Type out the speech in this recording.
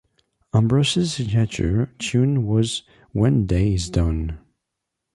Ambrose's signature tune was "When Day Is Done".